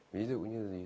ví dụ như là gì